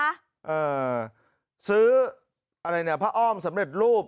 เออซื้ออะไรเนี่ยพระอ้อมสำเร็จรูป